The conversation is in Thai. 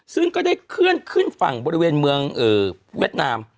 ซึ่งก็ได้เคลื่อนขึ้นฝั่งบริเวณเมืองเวียดนาม